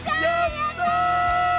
やった！